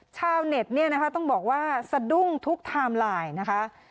ชาวเน็ตเนี่ยนะคะต้องบอกว่าสะดุ้งทุกไทม์ไลน์นะคะ